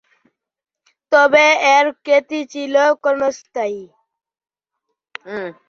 তবে এর খ্যাতি ছিল ক্ষণস্থায়ী।